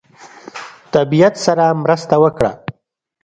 طبیعت سره مرسته وکړه.